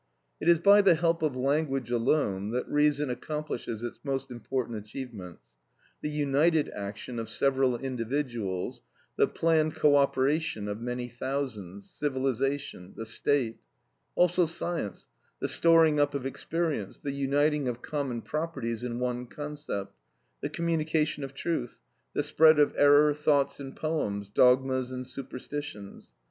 It is by the help of language alone that reason accomplishes its most important achievements,—the united action of several individuals, the planned co operation of many thousands, civilisation, the state; also science, the storing up of experience, the uniting of common properties in one concept, the communication of truth, the spread of error, thoughts and poems, dogmas and superstitions.